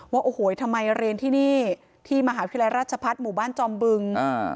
ว่าโอ้โหทำไมเรียนที่นี่ที่มหาวิทยาลัยราชพัฒน์หมู่บ้านจอมบึง